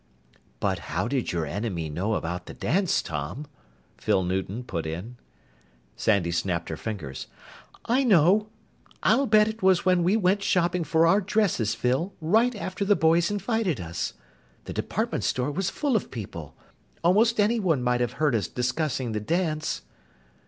"But how did your enemy know about the dance, Tom?" Phyl Newton put in. Sandy snapped her fingers. "I know! I'll bet it was when we went shopping for our dresses, Phyl, right after the boys invited us! The department store was full of people almost anyone might have heard us discussing the dance!"